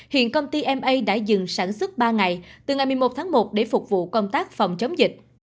hiện công ty ma đã dừng sản xuất ba ngày từ ngày một mươi một tháng một để phục vụ công tác phòng chống dịch